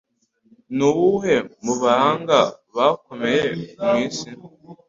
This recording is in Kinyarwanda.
Ni umwe mu bahanga bakomeye ku isi.